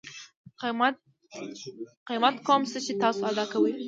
قیمت کوم څه چې تاسو ادا کوئ